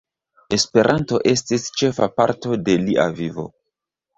Esperanto estis ĉefa parto de lia vivo.